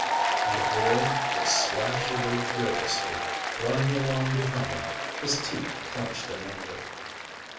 And the boy would slash away furiously, running along behind, his teeth clenched in anger.